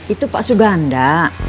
itu pak suganda